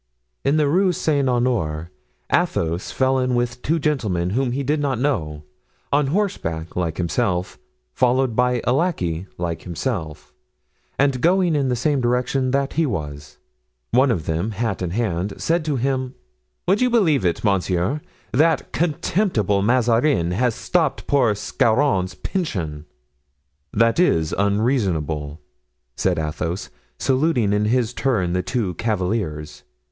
In the Rue Saint Honore Athos fell in with two gentlemen whom he did not know, on horseback like himself, followed by a lackey like himself, and going in the same direction that he was. One of them, hat in hand, said to him: "Would you believe it, monsieur? that contemptible Mazarin has stopped poor Scarron's pension." "That is unreasonable," said Athos, saluting in his turn the two cavaliers.